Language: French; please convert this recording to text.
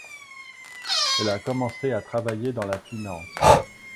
Elle a commencé à travailler dans la finance.